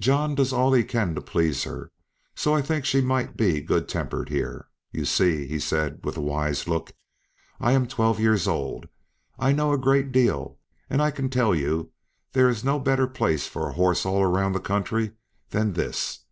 John does all he can to please her; so I think she might be good tempered here. You see," he said, with a wise look, "I am twelve years old; I know a great deal, and I can tell you there is not a better place for a horse all round the country than this.